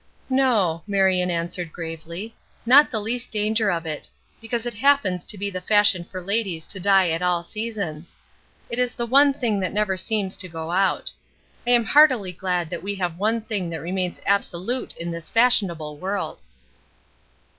"No," Marion answered, gravely, "not the least danger of it, because it happens to be the fashion for ladies to die at all seasons; it is the one thing that never seems to go out. I am heartily glad that we have one thing that remains absolute in this fashionable world."